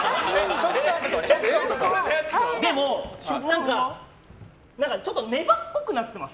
食感はちょっと粘っこくなってます。